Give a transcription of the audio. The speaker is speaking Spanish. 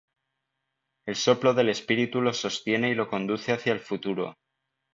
El soplo del Espíritu lo sostiene y lo conduce hacia el futuro.